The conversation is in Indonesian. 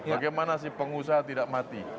bagaimana si pengusaha tidak mati